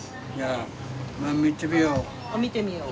まあ見てみよう。